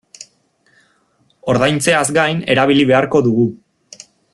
Ordaintzeaz gain erabili beharko dugu.